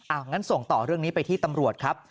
งั้นส่งต่อเรื่องนี้ไปที่ตำรวจครับ